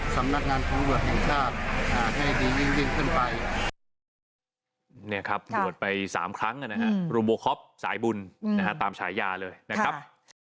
สำนักงานของบวกแห่งชาติให้ดียิ่งขึ้นไป